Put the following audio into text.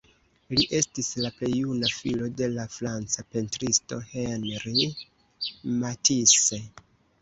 Li estis la plej juna filo de la franca pentristo Henri Matisse.